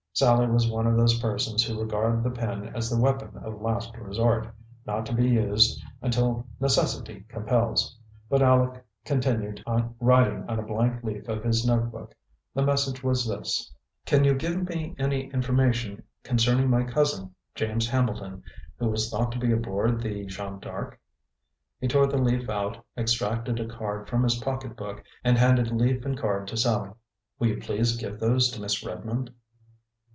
Sallie was one of those persons who regard the pen as the weapon of last resort, not to be used until necessity compels. But Aleck continued writing on a blank leaf of his note book. The message was this: "Can you give me any information concerning my cousin, James Hambleton, who was thought to be aboard the Jeanne D'Arc?" He tore the leaf out, extracted a card from his pocketbook, and handed leaf and card to Sallie. "Will you please give those to Miss Redmond?"